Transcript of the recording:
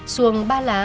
xuồng ba lá